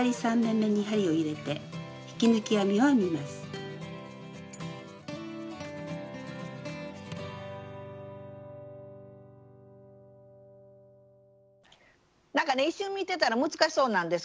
段の終わりはなんかね一瞬見てたら難しそうなんですけどね